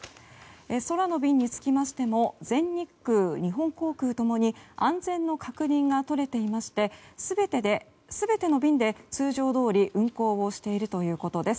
空の便につきましても全日空、日本航空共に安全の確認が取れていまして全ての便で、通常どおり運航をしているということです。